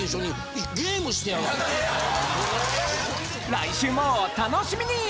・来週もお楽しみに！